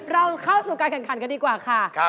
เราเข้าสู่การแข่งขันกันดีกว่าค่ะ